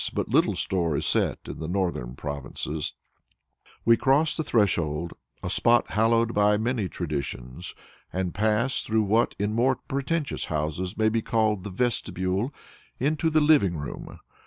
but little store is set in the northern provinces), we cross the threshold, a spot hallowed by many traditions, and pass, through what in more pretentious houses may be called the vestibule, into the "living room."